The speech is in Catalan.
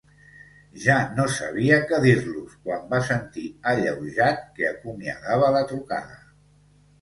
Ja no sabia què dir-los quan va sentir, alleujat, que acomiadava la trucada.